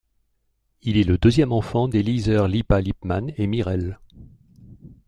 Il est le deuxième enfant d’Eliezer Lipa Lipman et Mirel.